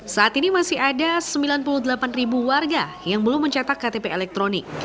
saat ini masih ada sembilan puluh delapan ribu warga yang belum mencetak ktp elektronik